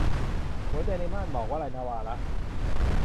หัวใจในม่านหมอก - วลัย นวาระ